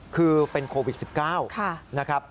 คือเป็นโควิด๑๙นะครับ